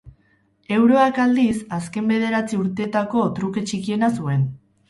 Euroak, aldiz, azken bederatzi urteetako truke txikiena zuen.